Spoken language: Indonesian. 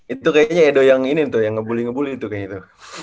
itu kayaknya edo yang ini tuh yang ngebully ngebully tuh kayaknya itu